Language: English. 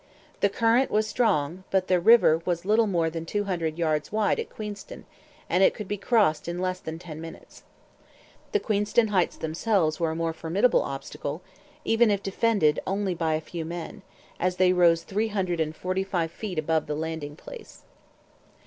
The current was strong; but the river was little more than two hundred yards wide at Queenston and it could be crossed in less than ten minutes. The Queenston Heights themselves were a more formidable obstacle, even if defended by only a few men, as they rose 345 feet above the landing place.